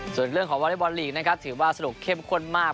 ส่วนเรื่องของวอเล็กบอลลีกนะครับถือว่าสนุกเข้มข้นมาก